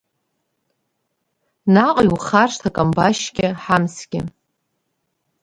Наҟ иухаршҭ акамбашьгьы Ҳамсгьы!